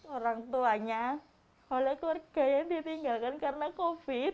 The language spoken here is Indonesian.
orang tuanya oleh keluarga yang ditinggalkan karena covid